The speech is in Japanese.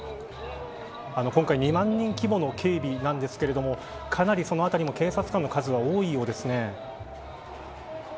今回、２万人規模の警備なんですがかなりその辺り、警察官の数も多いようですね。